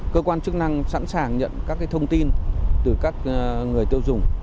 cơ quan chức năng sẵn sàng nhận các thông tin từ các người tiêu dùng